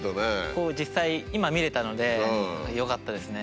実際今見れたのでよかったですね。